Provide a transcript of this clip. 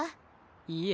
いえ。